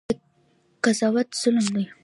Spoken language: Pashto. دا قضاوت ظلم دی.